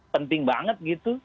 penting banget gitu